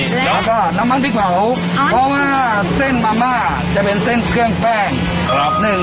แล้วก็น้ำมันพริกเผาเพราะว่าเส้นมาม่าจะเป็นเส้นเครื่องแป้งกรอบหนึ่ง